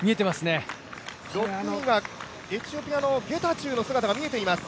６位はエチオピアのゲタチョウの姿が見えています。